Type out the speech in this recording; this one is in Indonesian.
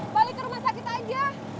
balik ke rumah sakit aja